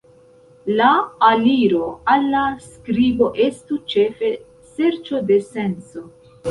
La aliro al la skribo estu ĉefe serĉo de senco.